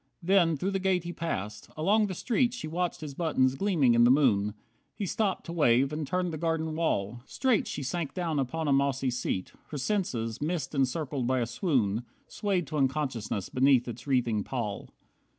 Then through the gate he passed. Along the street She watched his buttons gleaming in the moon. He stopped to wave and turned the garden wall. Straight she sank down upon a mossy seat. Her senses, mist encircled by a swoon, Swayed to unconsciousness beneath its wreathing pall.